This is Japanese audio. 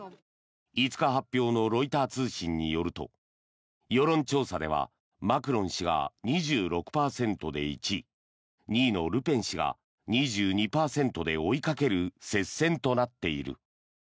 ５日発表のロイター通信によると世論調査ではマクロン氏が２６％で１位２位のルペン氏が２２％で追いかける接戦となっている。